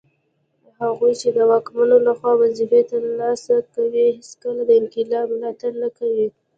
هغوی چي د واکمنو لخوا وظیفې ترلاسه کوي هیڅکله د انقلاب ملاتړ نه کوي